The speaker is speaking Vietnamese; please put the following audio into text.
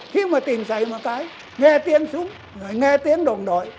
khi mà tìm thấy một cái nghe tiếng súng nghe tiếng đồng đội